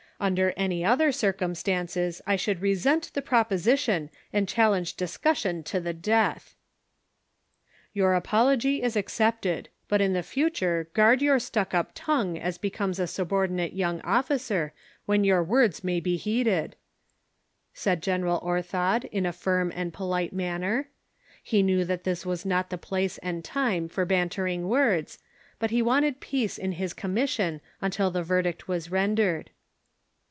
; under any other circumstances, I should resent the proposition and challenge discussion to the death !"" Your apology is accepted, but in tlie future guard your stuckup tongue as becomes a subordinate young officer, when your words may be heeded," said General Orthod in a firm and polite manner. He knew that this was not the place and time for bantering words, but he wanted peace in his commission until this verdict was rendered.